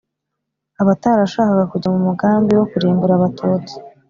abatarashakaga kujya mu mugambi wo kurimbura abatutsi.